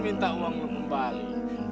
minta uang lu kembali